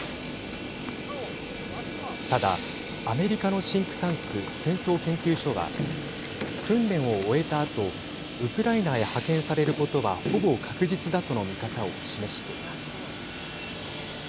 ただ、アメリカのシンクタンク戦争研究所は訓練を終えたあとウクライナへ派遣されることはほぼ確実だとの見方を示しています。